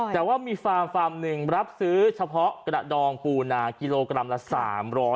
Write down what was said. แต่ว่ามีฟาร์มฟาร์มหนึ่งรับซื้อเฉพาะกระดองปูนากิโลกรัมละ๓๐๐